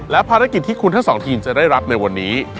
และภารกิจที่คุณทั้งสองทีมจะได้รับในวันนี้